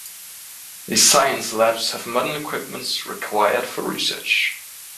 The Science Labs have modern equipments required for research.